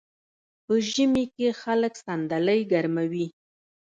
په ژمي کې خلک صندلۍ ګرموي.